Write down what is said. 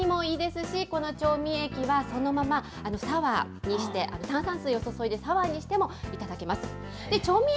そうですね、ヨーグルトにもいいですし、この調味液は、そのままサワーにして、炭酸水を注いでサワーにしても頂けます。